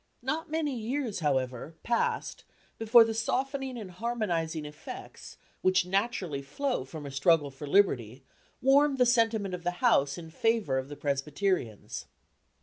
Not many years, however, passed before the softening and harmonizing effects, which naturally flow from a struggle for liberty, warmed the sentiment of the House in favour of the Presbyterians.